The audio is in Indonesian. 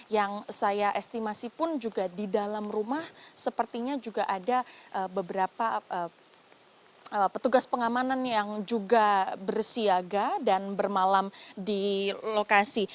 yang saya estimasi pun juga di dalam rumah sepertinya juga ada beberapa petugas pengamanan yang juga bersiaga dan bermalam di lokasi